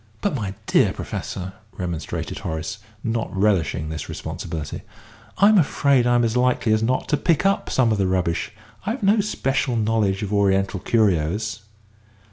"But, my dear Professor," remonstrated Horace, not relishing this responsibility, "I'm afraid I'm as likely as not to pick up some of the rubbish. I've no special knowledge of Oriental curios."